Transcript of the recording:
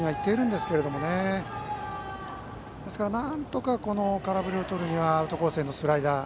ですから、なんとかこの空振りをとるにはアウトコースへのスライダー。